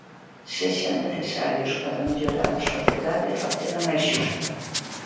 Sexan necesarios para mellorala sociedade e facela mais xusta.